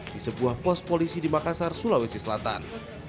di sebuah pos polisi di makassar sulawesi selatan